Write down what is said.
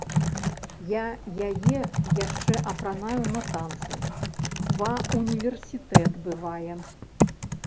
Я яе яшчэ апранаю на танцы, ва ўніверсітэт бывае.